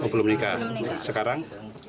oh belum nikah sekarang